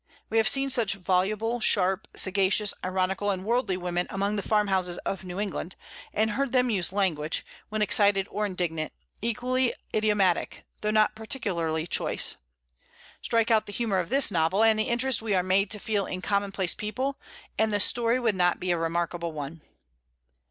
We have seen such voluble sharp, sagacious, ironical, and worldly women among the farm houses of New England, and heard them use language, when excited or indignant, equally idiomatic, though not particularly choice. Strike out the humor of this novel and the interest we are made to feel in commonplace people, and the story would not be a remarkable one.